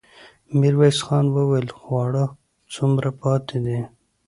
ميرويس خان وويل: خواړه څومره پاتې دي؟